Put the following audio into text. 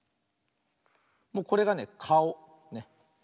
もうこれがねかお。